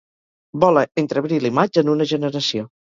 Vola entre abril i maig en una generació.